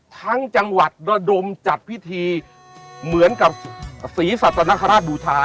ทั้งจังหวัดระดมจัดพิธีเหมือนกับศรีสัตนคราชบูชา